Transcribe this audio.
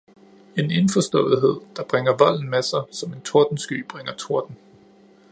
En indforståethed, der bringer volden med sig, som en tordensky bringer torden.